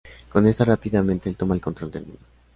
Con esta, rápidamente el toma el control del mundo.